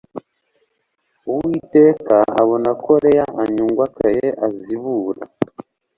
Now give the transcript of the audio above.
Uwiteka abona ko Leya anyungwakaye azibura